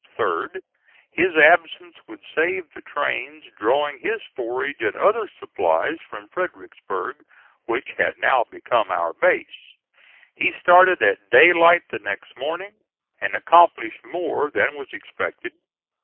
Third, his absence would save the trains drawing his forage and other supplies from Fredericksburg, which had now become our base. He started at daylight the next morning, and accomplished more than was expected.